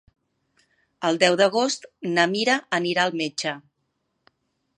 El deu d'agost na Mira anirà al metge.